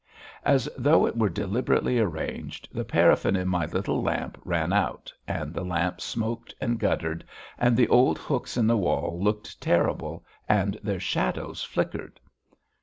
As though it were deliberately arranged, the paraffin in my little lamp ran out, and the lamp smoked and guttered, and the old hooks in the wall looked terrible and their shadows flickered.